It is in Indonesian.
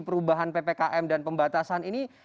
perubahan ppkm dan pembatasan ini